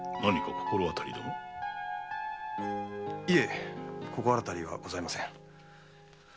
心当たりはございません。